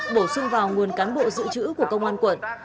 bổ sung vào nguồn cán bộ dự trữ của công an quận